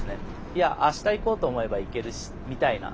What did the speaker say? いやあした行こうと思えば行けるしみたいな。